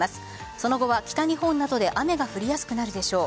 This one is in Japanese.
その後は北日本などで雨が降りやすくなるでしょう。